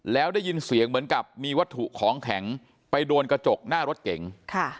แล้วได้ยินเสียงเหมือนกับมีวัตถุของแข็งไปโดนกระจกหน้ารถเก๋ง